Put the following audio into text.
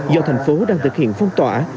do thành phố đang thực hiện phong tỏa